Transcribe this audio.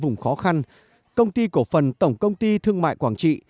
vùng khó khăn công ty cổ phần tổng công ty thương mại quảng trị